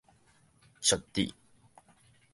屬佇